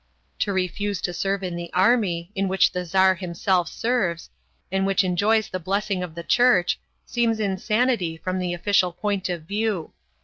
To refuse to serve in the army, in which the Tzar himself serves, and which enjoys the blessing of the Church, seems insanity from the official point of view.